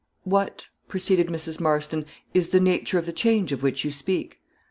"What," proceeded Mrs. Marston, "is the nature of the change of which you speak?"